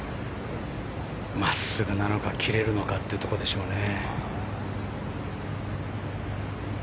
真っすぐなのか切れるのかというところでしょうね。